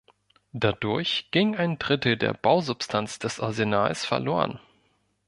Dadurch ging ein Drittel der Bausubstanz des Arsenals verloren.